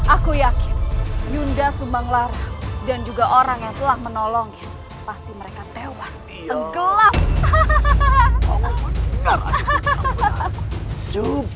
aku yakin yunda sumbang lara dan juga orang yang telah menolong pasti mereka tewas